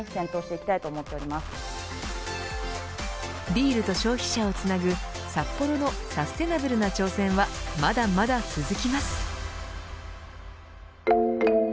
ビールと消費者をつなぐサッポロのサステナブルな挑戦はまだまだ続きます。